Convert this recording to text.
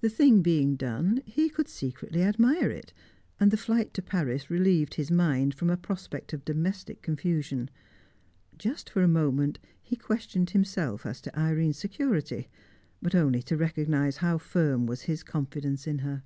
The thing being done, he could secretly admire it, and the flight to Paris relieved his mind from a prospect of domestic confusion. Just for a moment he questioned himself as to Irene's security, but only to recognise how firm was his confidence in her.